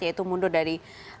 yaitu mundur dari